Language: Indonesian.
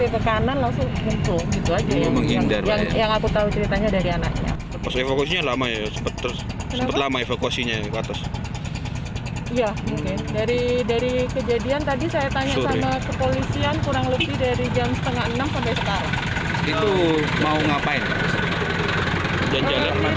ketika dia mau pergi ke madinda ada saudara yang sakit melampar mati